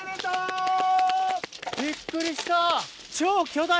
びっくりした。